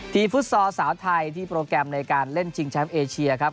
ฟุตซอลสาวไทยที่โปรแกรมในการเล่นชิงแชมป์เอเชียครับ